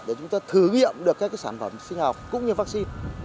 để chúng ta thử nghiệm được các sản phẩm sinh học cũng như vaccine